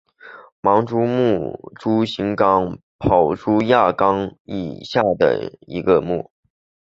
盲蛛目是蛛形纲跑足亚纲以下的一个目。